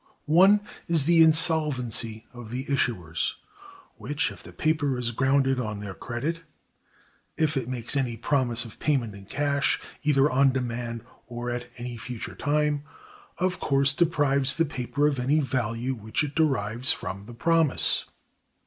One is, the insolvency of the issuers; which, if the paper is grounded on their credit—if it makes any promise of payment in cash, either on demand or at any future time—of course deprives the paper of any value which it derives from the promise.